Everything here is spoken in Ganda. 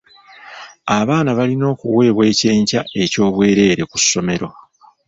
Abaana balina okuweebwa ekyenkya eky'obwereere ku ssomero.